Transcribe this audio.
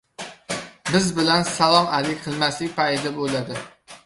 Biz bilan salom-alik qilmaslik payida bo‘ladi.